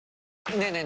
ねえねえ